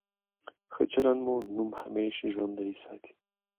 ښه چلند مو نوم همېشه ژوندی ساتي.